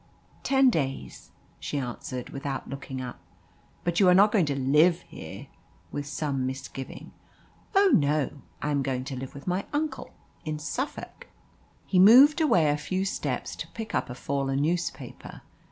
"Ten days," she answered, without looking up. "But you are not going to live here?" with some misgiving. "Oh no. I am going to live with my uncle in Suffolk." He moved away a few steps to pick up a fallen newspaper.